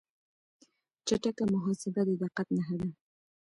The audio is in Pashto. چټک محاسبه د دقت نښه ده.